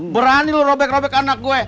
berani loh robek robek anak gue